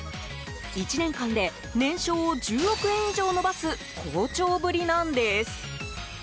１年間で年商を１０億円以上伸ばす好調ぶりなんです。